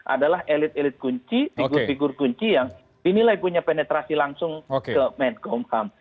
adalah elit elit kunci figur figur kunci yang dinilai punya penetrasi langsung ke menkumham